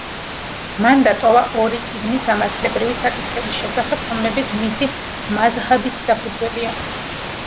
მან დატოვა ორი წიგნი სამართლებრივი საკითხების შესახებ, რომლებიც მისი მაზჰაბის საფუძველია.